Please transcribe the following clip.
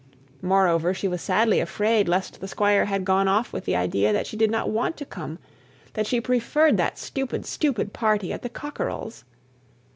Moreover, she was sadly afraid lest the Squire had gone off with the idea that she did not want to come that she preferred that stupid, stupid party at the Cockerells'.